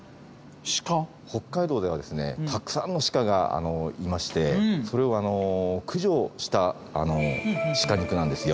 北海道ではですねたくさんの鹿がいましてそれを駆除した鹿肉なんですよ。